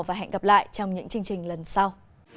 và hẹn gặp lại trong những chương trình lần sau